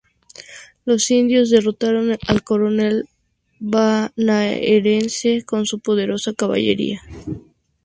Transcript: Los indios derrotaron al coronel bonaerense con su poderosa caballería.